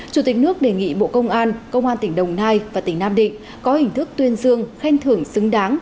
chủ tịch nước đề nghị bộ công an công an tỉnh đồng nai và tỉnh nam định có hình thức tuyên dương khen thưởng xứng đáng